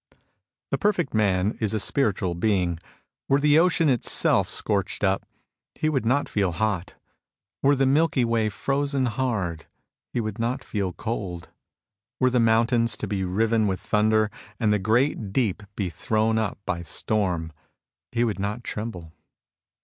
The perfect man is a spiritual being. Were the ocean itself scorched up, he would not feel hot. Were the Milky Way frozen hard, he would not feel cold. Were the mountains to be riven with thunder, and the great deep to be thrown up by storm, he would not tremble.